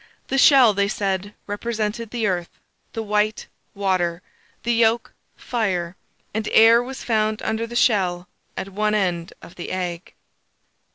The shell, they said, represented the earth; the white, water; the yolk, fire; and air was found under the shell at one end of the egg.